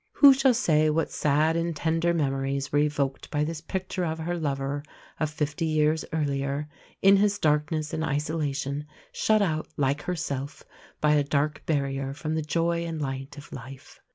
Who shall say what sad and tender memories were evoked by this picture of her lover of fifty years earlier, in his darkness and isolation, shut out like herself by a dark barrier from the joy and light of life.